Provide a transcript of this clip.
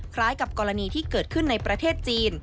กับกรณีที่เกิดขึ้นในประเทศจีน